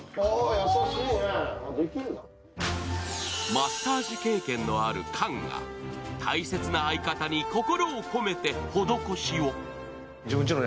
マッサージ経験のある菅が大切な相方に心を込めて施しを。